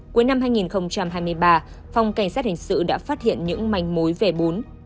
cuối năm hai nghìn hai mươi ba phòng cảnh sát hình sự đã phát hiện những manh mối về bốn